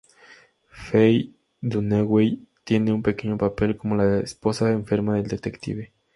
Faye Dunaway tiene un pequeño papel como la esposa enferma del detective.